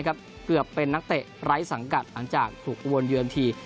เกือบเป็นนักเตะไร้สังกัดหลังจากถูกอุบลเยือนที